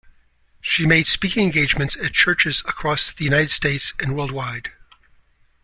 She made speaking engagements at churches across the United States and worldwide.